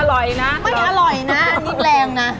ไม่อร่อยนะนิดแรงนะ